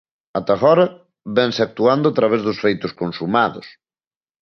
Ata agora vénse actuando a través dos feitos consumados.